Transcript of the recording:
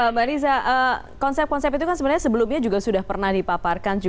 mbak riza konsep konsep itu kan sebenarnya sebelumnya juga sudah pernah dipaparkan